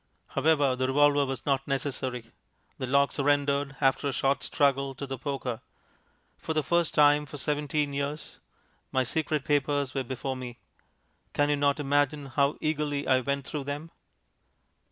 However, the revolver was not necessary. The lock surrendered, after a short struggle, to the poker. For the first time for seventeen years my secret papers were before me. Can you not imagine how eagerly I went through them?